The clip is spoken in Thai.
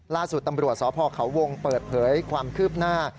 ล่าสุดตำรวจสพเขาวงเปิดเผยความคืบหน้า